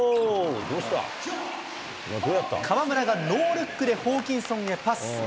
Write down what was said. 河村がノールックでホーキンソンへパス。